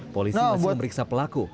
polisi masih memeriksa pelaku